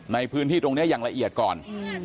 ในพื้นที่ตรงนี้อย่างละเอียดก่อน